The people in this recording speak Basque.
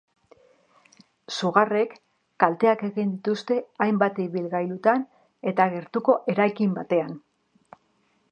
Sugarrek kalteak egin dituzte hainbat ibilgailutan eta gertuko eraikin batean.